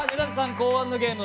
考案のゲーム